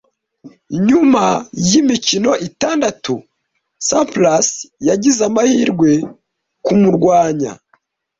Nyuma yimikino itandatu, Sampras yagize amahirwe kumurwanya.